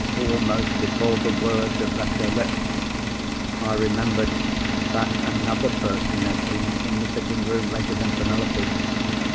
"Almost before the words had left her lips, I remembered that another person had been in the sitting room later than Penelope.